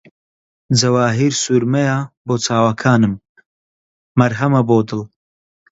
جەواهیرسورمەیە بۆ چاوەکانم، مەرهەمە بۆ دڵ